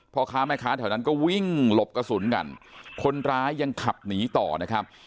พ่อค้าแม่ค้าแถวนั้นก็วิ่งหลบกระสุนกันคนร้ายยังขับหนีต่อนะครับ